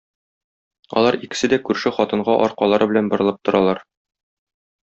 Алар икесе дә күрше хатынга аркалары белән борылып торалар.